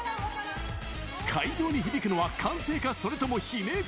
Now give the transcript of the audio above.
会場に響くのは歓声か、それとも悲鳴か。